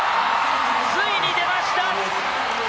ついに出ました！